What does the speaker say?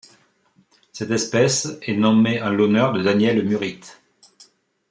Cette espèce est nommée en l'honneur de Danièle Murith.